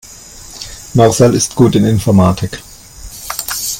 Marcel ist gut in Informatik.